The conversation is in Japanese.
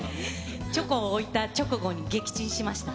チョコを置いた直後に撃沈しました。